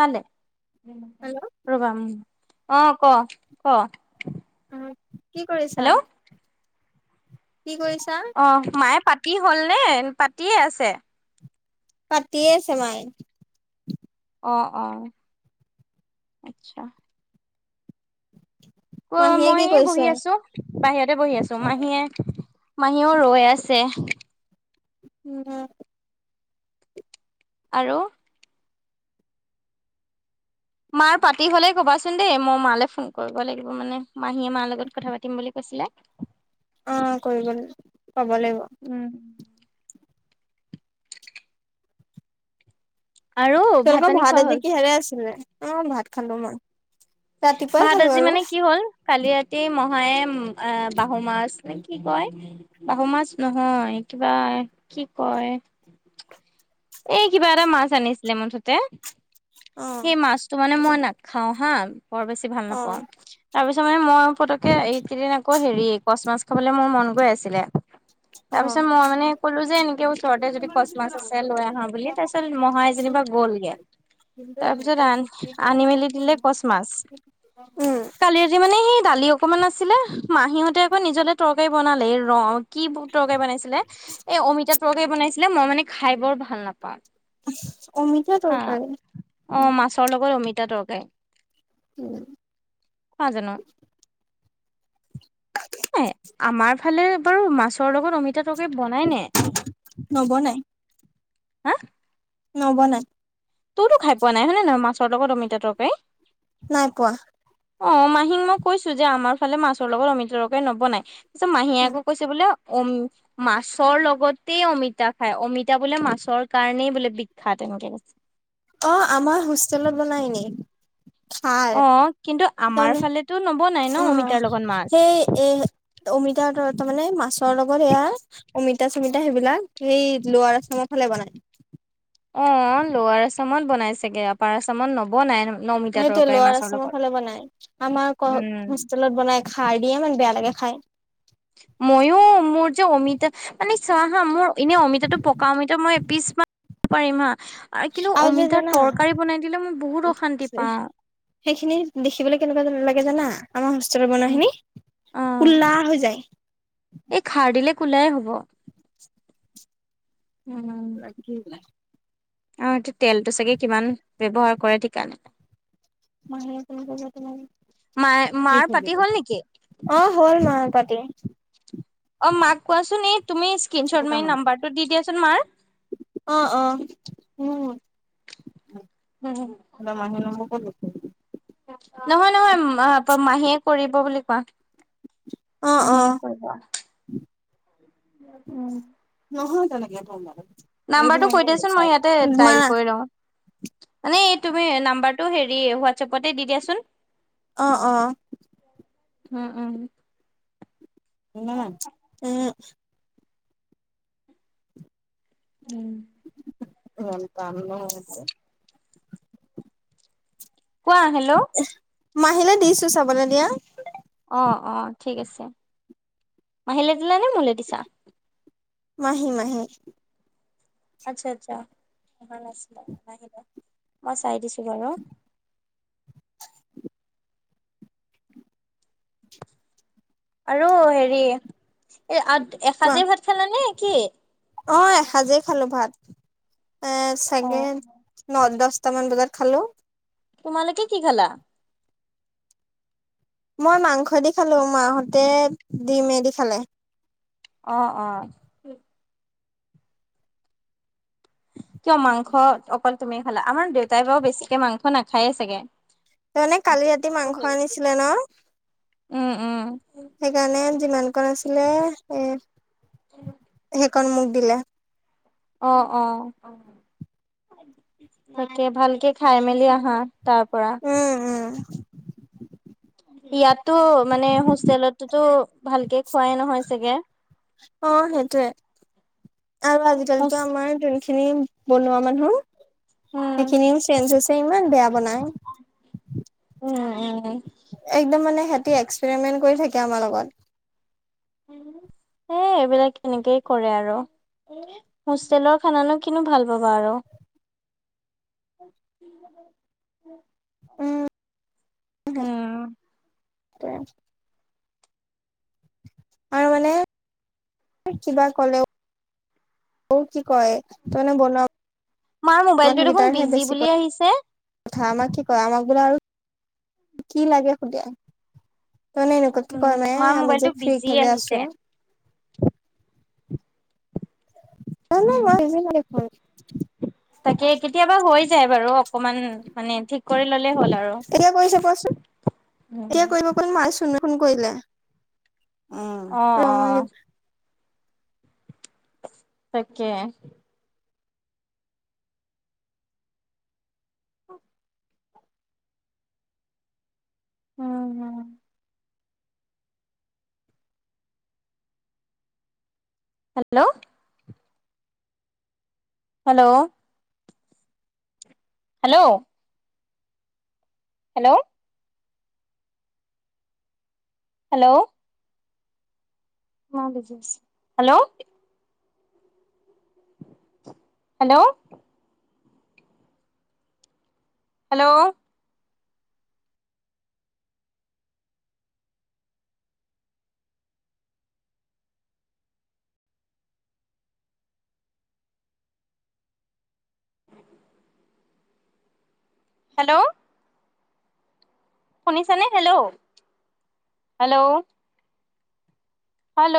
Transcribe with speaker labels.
Speaker 1: কালে
Speaker 2: হেল্ল'
Speaker 1: ৰবা উম অ ক ক
Speaker 2: অহ কি কৰিছা
Speaker 1: হেল্ল'
Speaker 2: কি কৰিছা
Speaker 1: অ মায়ে পাতি হল নে পাতিয়ে আছে
Speaker 2: পাতিয়ে আছে মাই
Speaker 1: অ অ আচ্ছা অ
Speaker 2: মাহীয়ে
Speaker 1: মই
Speaker 2: কি
Speaker 1: এই
Speaker 2: কৰিছে
Speaker 1: বহি আছো বাহিৰতে বহি আছো মাহীয়ে মাহীয়েও ৰৈ আছে উম আৰু মাৰ পাতি হলেই কবাচোন দেই মই মালৈ ফোন কৰিব লাগিব মানে মাহীয়ে মাৰ লগত কথা পাতিম বুলি কৈ ছিলে
Speaker 2: অ কৰিব লাগিব কব
Speaker 1: উম
Speaker 2: লাগিব
Speaker 1: আৰু
Speaker 2: তেনেকা
Speaker 1: পানী
Speaker 2: ভাত
Speaker 1: খোৱা
Speaker 2: আজি
Speaker 1: হ'ল
Speaker 2: কিহেৰে আছিলে অ ভাত খালো মই। ৰাতিপুৱাই
Speaker 1: ভাত
Speaker 2: খালো
Speaker 1: আজি
Speaker 2: আৰু
Speaker 1: মানে কি হ'ল কালি ৰাতি মহায়ে। অ বাহু মাছ নে কি কয় বাহু মাছ নহয় কিবা কি কয়। [unintelligible] এই কিবা এটা মাছ আনিছিলে মুঠতে
Speaker 2: অ
Speaker 1: সেই মাছটো মানে মই না। খাওঁ হা বৰ বেছি ভাল
Speaker 2: অ
Speaker 1: নাপাওঁ তাৰপি। ছত মই পতকে এইকেইদিন আকৌ হেৰি কচ মাছ খাবলে মোৰ মন গৈ আছিলে।
Speaker 2: অ
Speaker 1: তাৰ পিছত মই মানে কলো যে এনেকে ওচৰতে যদি কচ মাছ আছে লৈ আহ। বুলি তাৰ পিছত মহাই যেনিবা গ'লগে। তাৰ
Speaker 2: সেইটোৱে
Speaker 1: পিছত আন
Speaker 2: সেইটোৱে
Speaker 1: আনি মেলি
Speaker 2: ফিফটি
Speaker 1: দিলে কচ
Speaker 2: মানে
Speaker 1: মাছ
Speaker 2: ইমান। উম
Speaker 1: কালি ৰাতি মানে সেই দালি অকমান আছিলে মাহিহঁ। তে আকৌ নিজতে তৰকাৰী বনালে ৰ কি তৰকাৰী বনাইছিলে এ অমিতা তৰকাৰী বনাইছিল। এ মই মানে খাই বৰ ভাল নাপাওঁ।
Speaker 2: অমিতা
Speaker 1: অ
Speaker 2: তৰকাৰী
Speaker 1: অ মাছৰ লগত অমিতা দৰৱ। নাজানো। নে আমাৰ ফালে বাৰু মাছৰ লগত অমিতা তৰকাৰী। বনাই নে
Speaker 2: নবনাই
Speaker 1: হা।
Speaker 2: নবনাই।
Speaker 1: তইতো খাই পোৱা নাই হয়নে নহয় মাছৰ লগত অমিতা তৰকাৰী।
Speaker 2: নাই পোৱা।
Speaker 1: অ মাহীক মই কৈছো যে আমাৰ ফালে মাছৰ লগত অমিতা তৰকাৰী নবনাই তাৰছত মাহীয়ে আকৌ কৈছে বোলে। অম মাছৰ লগতেই অমিতা খায় অমিতা বোলে মাছৰ কাৰণেই বোলে বিখ্যাত। সেনেকে কৈছে।
Speaker 2: অ আমাৰ হোষ্টেলত বনাই নি। হয়
Speaker 1: অ কিন্তু
Speaker 2: ত
Speaker 1: আমাৰ ফালেতো নবনাই ন
Speaker 2: অ
Speaker 1: অমিতাৰ লগত মাছ
Speaker 2: সেই এ উমি। তাৰ ত মানে মাছৰ লগত এয়া অমিতা চমিতা সেইবিলাক সেই লোৱা আচমৰ ফালে বনায়।
Speaker 1: অ লোৱাৰ আচমত বনাই চাগে আপাৰ আচমত নবনাই। অমিতা
Speaker 2: সেইটো
Speaker 1: তৰকাৰী
Speaker 2: লঔ
Speaker 1: মাছৰ
Speaker 2: আচামৰ
Speaker 1: লগত
Speaker 2: ফালে বনাই আমাৰ
Speaker 1: উম
Speaker 2: হোষ্টেলত বনাই খাৰ দিয়ে ইমান বেয়া লাগে। খায়
Speaker 1: ময়ো মোৰ যে অমিতা মানে চ হা মোৰ এনে অমিতাটো পকা অমিতা মই পিছ ম পাৰিম হা। আৰু কিন্তু
Speaker 2: যে
Speaker 1: অমিতাৰ
Speaker 2: জানা
Speaker 1: তৰকাৰী বনাই দিলে মই বহুত অশান্তি পাওঁ।
Speaker 2: সেইখিনি দেখিবলৈ কেনেকুৱা লাগে জানা। আমাৰ হোষ্টেলৰ বনোৱা খিনি
Speaker 1: অ
Speaker 2: কল্লা হৈ যায়।
Speaker 1: এই খাৰ দিলে কোলাই হ'ব। উম
Speaker 2: লাগিল।
Speaker 1: অ সটো তেলটো চাগে কিমান ব্যৱহাৰ কৰে ঠিক নাই।
Speaker 2: মাহি।
Speaker 1: মায়ে
Speaker 2: কি
Speaker 1: মাৰ পাতি
Speaker 2: হল
Speaker 1: নেকি?
Speaker 2: অ হ'ল ম তাতি।
Speaker 1: অ মাক কোৱাচোন এই। তুমি স্ক্ৰনশ্বট ম নাম্বাৰটো দি দিয়াচোন মাৰ।
Speaker 2: অ', অ', ম মাহি নহ কত।
Speaker 1: নহয় নহয় মাহীয়ে কৰিব বুলি কোৱা।
Speaker 2: অ',
Speaker 1: মহীয়ে কৰিব। উম,
Speaker 2: নহয় তেনেকে ফমাৰ।
Speaker 1: নাম্বাৰটো কৈ দিয়চোন মই ইয়াতে ডাইল কৰি লওঁ। মানে এই তুমি নাম্বটো হেৰি হোৱাটছএপতে দি দিয়াচোন।
Speaker 2: অহ অ।
Speaker 1: উম উম
Speaker 2: উ ন উ
Speaker 1: উম
Speaker 2: নন তানো
Speaker 1: কোৱা হেল্ল'
Speaker 2: মাহিলে দিছো চাবলৈ দিয়া
Speaker 1: অ অ ঠিক আছে মাহিলে দিলা নে মোলে দিছা।
Speaker 2: মাহি মাহি
Speaker 1: আচ্ছা আচ্ছা। ভাল নাছিলে মই চাই দিছো বাৰু
Speaker 2: [inaudible]
Speaker 1: আৰু হেৰি এ
Speaker 2: কোৱা
Speaker 1: এসাঁজে ভাত খালানে? কি
Speaker 2: অ এসাজেই খালো ভাত এ
Speaker 1: অ
Speaker 2: চাগে ন দহ বাৰতামান বজাত খালো
Speaker 1: তোমালোকে কি খালা?
Speaker 2: মই মাংস দি খালো মাহঁতে দিম এদি খালে।
Speaker 1: অ অ কিয় মাংস অকল তুমি খালা আমাৰ দেউতাই বাৰু বেছিকে মাংস নাখায়ে চাগে।
Speaker 2: তাৰমানে কালি ৰাতি মাংস আনিছিলে ন
Speaker 1: উম উম
Speaker 2: সেইকাৰণে যিমান কণ আছিলে এ সেইখন মোক দিলে।
Speaker 1: অ অ তাকে ভালকে খাই মেলি আহা তাৰ পৰা
Speaker 2: উম উম
Speaker 1: ইয়াতটো মানে হোষ্টেলতোতো ভালকে খুৱাই নহয় চাগে।
Speaker 2: অ সেইটোয়ে আৰু
Speaker 1: উম,
Speaker 2: আজিকালিতো আমাৰ যোনখিনি বনোৱা মানুহ সেইখিনিও চেঞ্জ হৈছে। ইমান বেয়া বনাই।
Speaker 1: উম উম
Speaker 2: একদম মানে সেতি এক্সপেৰিমেন্ট কৰি থাকে আমাৰ লগত
Speaker 1: এ এইবিলাক এনেকেই কৰে আৰু হোষ্টেলৰ খানানো কিনো ভাল পাবা আৰু
Speaker 2: উম
Speaker 1: উম
Speaker 2: তে আৰু মানে কিবা ক'লেও। অ কি কয় ত মানে বনোৱা
Speaker 1: মাৰ মোবাইটো দেখোন বিজি বুলি আহিছে।
Speaker 2: ঢামা কি কয় আমাক বোলে আৰু কি লাগে সুধে ত মানে এনেকোৱা কে কয়
Speaker 1: উম,
Speaker 2: মে
Speaker 1: মাৰ
Speaker 2: আমি যে
Speaker 1: মোবাইলটো
Speaker 2: ফ্ৰী
Speaker 1: বিজি
Speaker 2: কে যে
Speaker 1: আহিছে।
Speaker 2: আছো নাই নাই মই বিজি নাই দেখোন
Speaker 1: তাকে কেতিয়াবা হৈ যায় বাৰু অকমান মানে ঠিক কৰি ললে হ'ল আৰু।
Speaker 2: এতিয়া কৈছে কোৱাচোন এয়া কৰিব কোন মায় চুনুয়ে ফোন কৰিলে।
Speaker 1: অ
Speaker 2: ৰ
Speaker 1: অ
Speaker 2: মই
Speaker 1: তাকে উম হম hello hello hello hello hello hello hello hello hello শুনিছা নে হেল্ল' হেল্ল' হেল্ল'